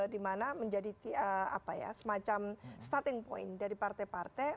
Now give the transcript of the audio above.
dimana menjadi semacam starting point dari partai partai